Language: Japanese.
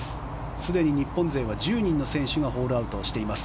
すでに日本勢は１０人の選手がホールアウトしています。